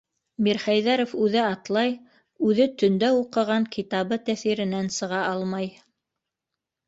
Мирхәйҙәров үҙе атлай, үҙе төндә уҡыған китабы тәьҫиренән сыға алмай.